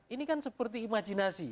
ini kan seperti imajinasi